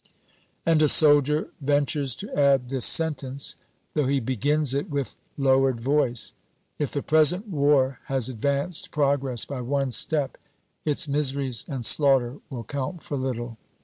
And a soldier ventures to add this sentence, though he begins it with lowered voice, "If the present war has advanced progress by one step, its miseries and slaughter will count for little."